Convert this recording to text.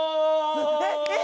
えっ？